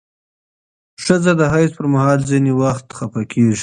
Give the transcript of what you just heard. ښځې د حیض پر مهال ځینې وخت خپه کېږي.